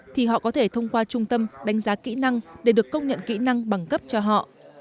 thì họ có thể thông qua trung tâm đánh giá kỹ năng để được công nhận kỹ năng bằng cấp cho họ